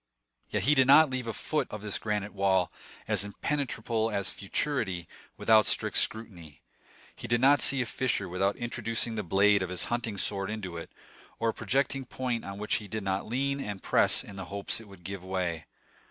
Yet he did not leave a foot of this granite wall, as impenetrable as futurity, without strict scrutiny; he did not see a fissure without introducing the blade of his hunting sword into it, or a projecting point on which he did not lean and press in the hopes it would give way.